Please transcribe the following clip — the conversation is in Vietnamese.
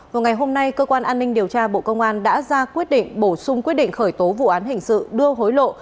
vào ngày hôm nay cơ quan an ninh điều tra bộ công an đã ra quyết định bổ sung quyết định khởi tố vụ án hình sự đưa hối lộ